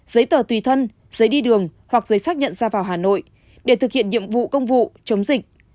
giấy tờ tùy thân giấy đi đường hoặc giấy xác nhận ra vào hà nội để thực hiện nhiệm vụ công vụ chống dịch